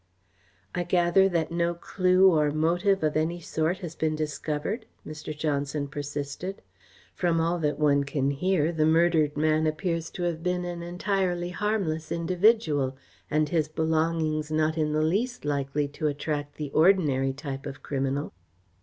"I gather that no clue or motive of any sort has been discovered?" Mr. Johnson persisted. "From all that one can hear, the murdered man appears to have been an entirely harmless individual and his belongings not in the least likely to attract the ordinary type of criminal."